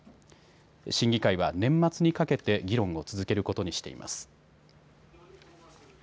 審議会は年末にかけて議論を続けることにしています。